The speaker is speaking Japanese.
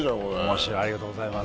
ありがとうございます。